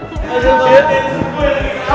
aduh gue minta disembunyi lagi